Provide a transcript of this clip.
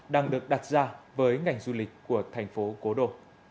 đang được đặt ra với ngành du lịch của thành phố cố đô